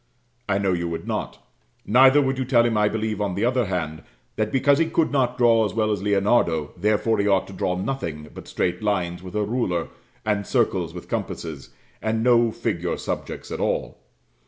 I know you would not; neither would you tell him, I believe, on the other hand, that because he could not draw as well as Leonardo, therefore he ought to draw nothing but straight lines with a ruler, and circles with compasses, and no figure subjects at all.